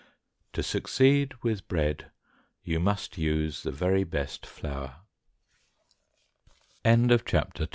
To succeed with bread you must use the very best flour. CHAPTER III.